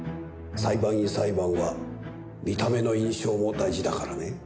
裁判員裁判は見た目の印象も大事だからね。